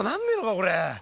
これ。